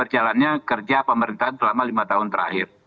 jalannya kerja pemerintahan selama lima tahun terakhir